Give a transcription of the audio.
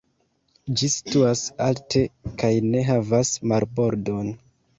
Ĝi situas alte kaj ne havas marbordon.